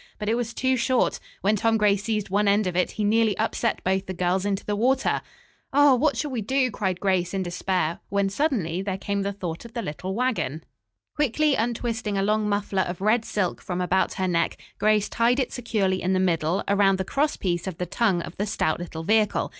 But it was too short; when Tom Gray seized one end of it he nearly upset both the girls into the water. "Oh, what shall we do?" cried Grace in despair when suddenly there came the thought of the little wagon. Quickly untwisting a long muffler of red silk from about her neck, Grace tied it securely in the middle, around the cross piece of the tongue of the stout little vehicle.